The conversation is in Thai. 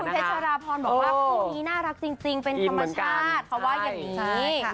เพชรราพรบอกว่าคู่นี้น่ารักจริงเป็นธรรมชาติเขาว่าอย่างนี้